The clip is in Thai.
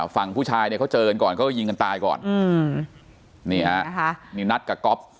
ฝั่งผู้ชายเนี่ยเขาเจอกันก่อนเขาก็ยิงกันตายก่อนอืมนี่ฮะนี่นัดกับก๊อฟ